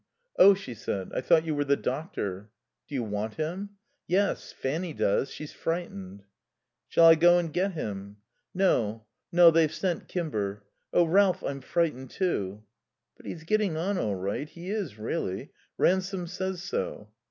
"Oh," she said, "I thought you were the doctor." "Do you want him?" "Yes. Fanny does. She's frightened." "Shall I go and get him?" "No. No. They've sent Kimber. Oh, Ralph, I'm frightened, too." "But he's getting on all right. He is really. Ransome says so."